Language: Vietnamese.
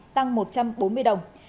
tăng một trăm bốn mươi đồng